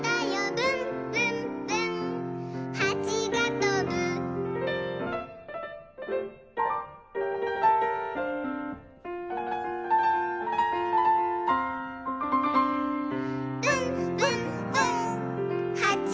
「ぶんぶんぶんはちがとぶ」「ぶんぶんぶんはちがとぶ」